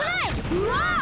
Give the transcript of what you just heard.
うわっ！